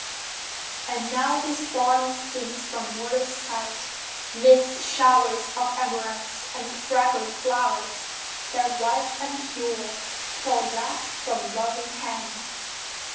And now "his body" sinks from mortal sight, Midst showers of amaranths, and fragrant flowers, That, white and pure, fall fast from loving hands.